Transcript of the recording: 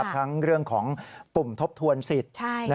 ทั้งเรื่องของปุ่มทบทวนสิทธิ์